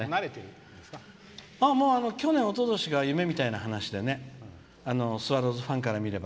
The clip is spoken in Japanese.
去年、おととしが夢みたいな話でねスワローズファンから見れば。